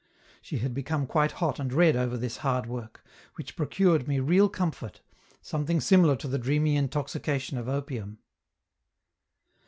She had become quite hot and red over this hard work, which procured me real comfort, something similar to the dreamy intoxication of opium.